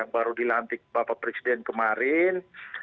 baru dilantik bapak presiden kemarin